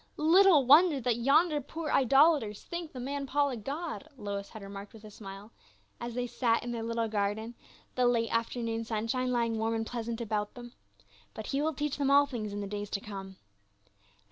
" Little wonder that yonder poor idolaters think the man Paul a god," Lois had remarked with a smile, 308 PAUL. as they sat in their h'ttle garden, the late afternoon sunshine lying warm and pleasant about them. " But he will teach them all things in the days to come."